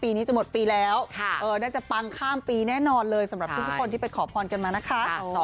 นี้จะหมดปีแล้วน่าจะปังข้ามปีแน่นอนเลยสำหรับทุกคนที่ไปขอพรกันมานะคะ